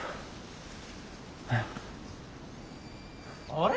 あれ？